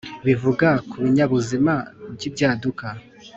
bivuga ku binyabuzima by ibyaduka